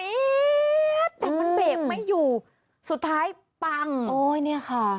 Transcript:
แต่มันเบรกไม่อยู่สุดท้ายปังโอ้ยเนี่ยค่ะ